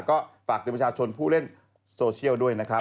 ก็ฝากธุรกิจชนผู้เล่นโซเชียลด้วยนะครับ